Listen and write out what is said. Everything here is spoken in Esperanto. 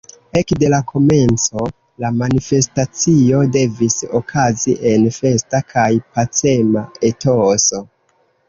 Ekde la komenco, la manifestacio devis okazi en festa kaj pacema etoso.